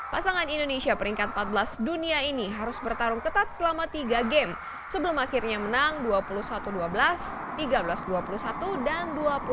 pasangan indonesia peringkat empat belas dunia ini harus bertarung ketat selama tiga game sebelum akhirnya menang dua puluh satu dua belas tiga belas dua puluh satu dan dua puluh satu enam belas